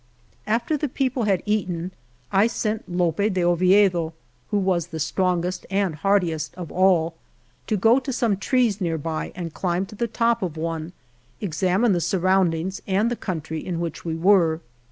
AFTER the people had eaten I sent Lope de Oviedo, who was the strongest and heartiest of all, to go to some trees nearby and climb to the top of one, examine the surroundings and the country in which we were.